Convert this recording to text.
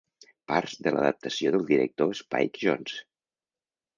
Parts de l'adaptació del director Spike Jonze.